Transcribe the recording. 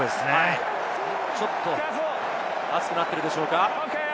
ちょっと熱くなっているでしょうか？